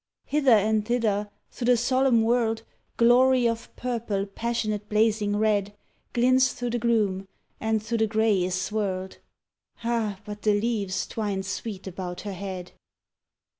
Hither and thither thro' the solemn world, Glory of purple, passionate blazing red Glints thro' the gloom, and thro' the grey is swirled Ah! but the leaves twined sweet about her head.